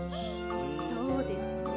そうですね。